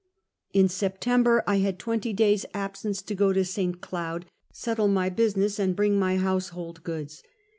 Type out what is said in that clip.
In September I had twenty days' leave of absence to go to St. Cloud, settle my business and bring my household gods.